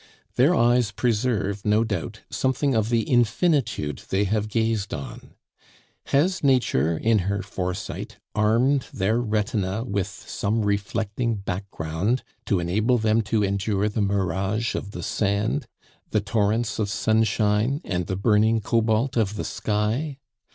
Their eyes preserve, no doubt, something of the infinitude they have gazed on. Has nature, in her foresight, armed their retina with some reflecting background to enable them to endure the mirage of the sand, the torrents of sunshine, and the burning cobalt of the sky?